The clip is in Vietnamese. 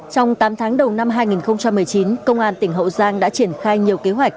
trong tám tháng đầu năm hai nghìn một mươi chín công an tỉnh hậu giang đã triển khai nhiều kế hoạch